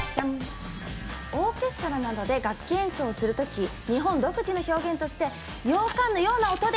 オーケストラなどで楽器演奏をするとき日本独自の表現として「羊羹のような音」で！